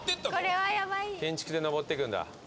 建築でのぼっていくんだ。